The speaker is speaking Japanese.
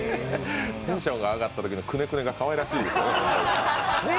テンションが上がったときのくねくねがかわいいですよね。